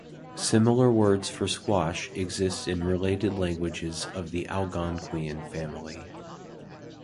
Similar words for squash exist in related languages of the Algonquian family.